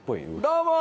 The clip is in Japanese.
どうも！